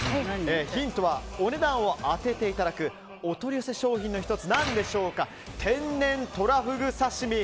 ヒントはお値段を当てていただくお取り寄せ商品の１つ天然とらふぐ刺身。